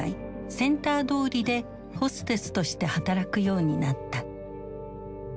「センター通り」でホステスとして働くようになった。